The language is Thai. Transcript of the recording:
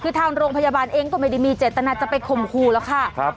คือทางโรงพยาบาลเองก็ไม่ได้มีเจตนาจะไปข่มขู่หรอกค่ะ